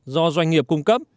do doanh nghiệp cung cấp